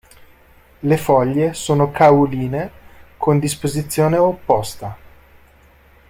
Le foglie sono cauline con disposizione opposta.